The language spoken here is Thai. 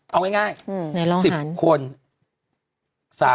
เอาง่าย๑๐คน๓๐๐คน